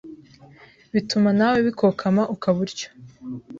bituma nawe bikokama ukaba utyo